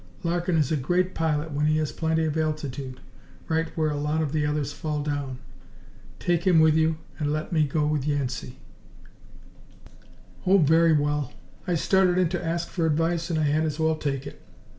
Larkin is a great pilot when he has plenty of altitude right where a lot of the others fall down. Take him with you and let me go with Yancey." "Oh, very well. I started in to ask for advice and I had as well take it.